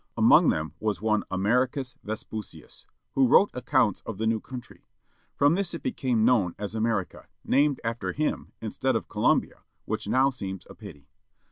Among them was one Americus Vespucius, who wrote accounts of the new coimtry. From this it became known as America, named after him, instead of Columbia, which now seems a pity.